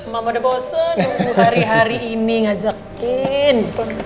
mama udah bosen hari hari ini ngajakin